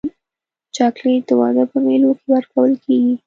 چاکلېټ د واده په مېلو کې ورکول کېږي.